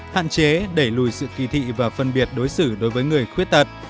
hạn chế đẩy lùi sự kỳ thị và phân biệt đối xử đối với người khuyết tật